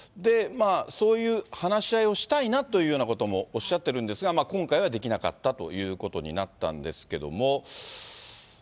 そういう話し合いをしたいなというようなこともおっしゃってるんですが、今回はできなかったということになったんですけれども。